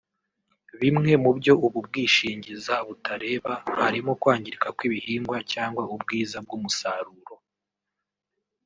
Bimwe mu byo ubu bwishingiza butareba harimo kwangirika kw’ibihingwa cyangwa ubwiza bw’umusaruro